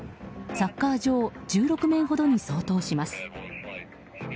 サッカー場１６面ほどに相当します。